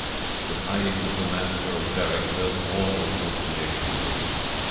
The tidings of the massacre of Berwick filled all with consternation and grief.